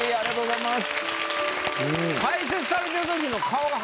おめでとうございます。